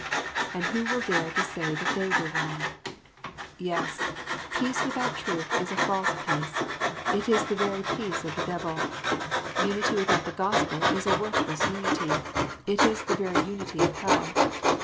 And who shall dare to say that they were wrong 1 Yes ! peace without truth is a false peace ; it is the very peace of the devil. Unity without the Gospel is a worthless unity ; it is the very unity of hell.